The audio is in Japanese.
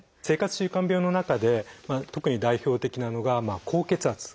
生活習慣病の中で特に代表的なのが高血圧。